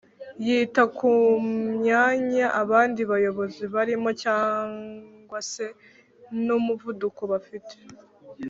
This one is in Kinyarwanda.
yita kumwanya abandi bayobozi barimo cg se n' umuvuduko bafite